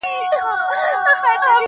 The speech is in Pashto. o مګر وږی ولس وایې؛ له چارواکو مو ګیله ده,